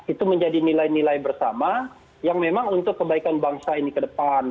itu menjadi nilai nilai bersama yang memang untuk kebaikan bangsa ini ke depan